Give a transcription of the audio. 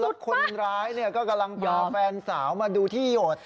แล้วคนร้ายก็กำลังพาแฟนสาวมาดูที่โยชน